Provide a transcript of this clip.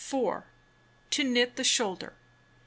To Knit the Shoulder.